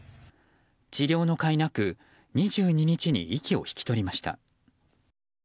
治療の甲斐なく２２日に息を引き取りました。